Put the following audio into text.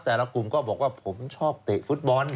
แต่ละกลุ่มก็บอกว่าผมชอบเตะฟุตบอล